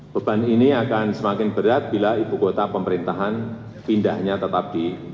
beban ini akan semakin berat bila ibu kota pemerintahan pindahnya tetap di